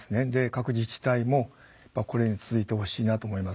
各自治体もこれに続いてほしいなと思います。